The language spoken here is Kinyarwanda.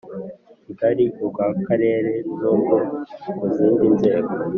Kigali urw akarere n urwo ku zindi nzego